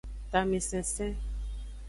Tamesensen.